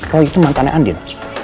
roy itu mantannya andin